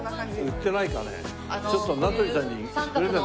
売ってないかね？